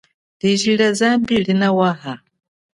Liji lia zambi linawaha.